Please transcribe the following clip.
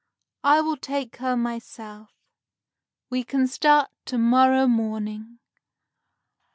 I will take her myself. We can start to morrow morning."